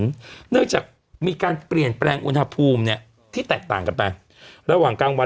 ในเนื้อจากมีการเปลี่ยนแปลงอุณหภูมินี้ที่แตกต่างกันไป